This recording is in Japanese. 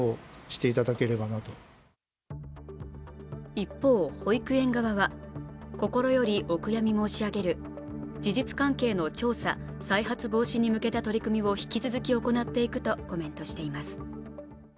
一方、保育園側は、心よりお悔やみ申し上げる、事実関係の調査、再発防止に向けた取り組みを引き続き行っていくとコメントしています。